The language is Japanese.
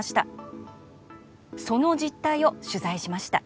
その実態を取材しました。